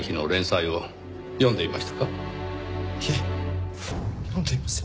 いえ読んでいません。